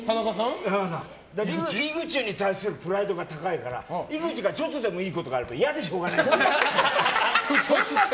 井口に対するプライドが高いから井口にちょっとでもいいことがあると嫌でしょうがないんだよ。